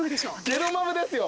ゲロマブですよ。